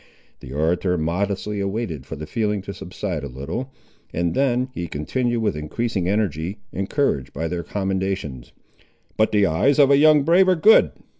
The orator modestly awaited for the feeling to subside a little, and then he continued, with increasing energy, encouraged by their commendations. "But the eyes of a young brave are good.